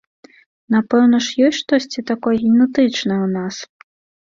Напэўна ж ёсць штосьці такое генетычнае ў нас?